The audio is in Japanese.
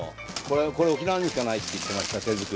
これ沖縄にしかないって言ってました手作りでは。